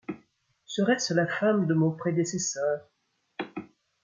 Serait-ce la femme de mon prédécesseur ?